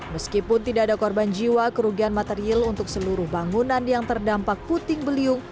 meskipun tidak ada korban jiwa kerugian material untuk seluruh bangunan yang terdampak puting beliung